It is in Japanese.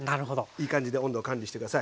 いい感じで温度を管理して下さい。